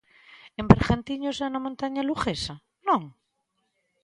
En Bergantiños e na montaña luguesa, non?